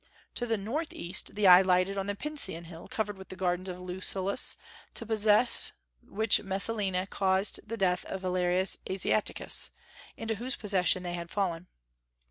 To the northeast the eye lighted on the Pincian Hill covered with the gardens of Lucullus, to possess which Messalina caused the death of Valerius Asiaticus, into whose possession they had fallen.